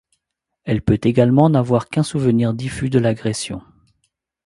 Elle peut également n'avoir qu'un souvenir diffus de l'agression.